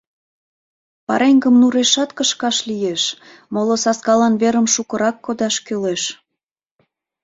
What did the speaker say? Пареҥгым нурешат кышкаш лиеш, моло саскалан верым шукырак кодаш кӱлеш.